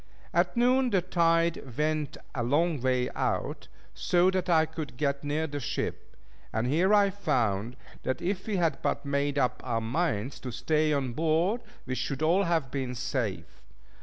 At noon, the tide went a long way out, so that I could get near the ship; and here I found that if we had but made up our minds to stay on board, we should all have been safe.